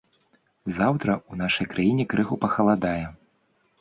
Заўтра ў нашай краіне крыху пахаладае.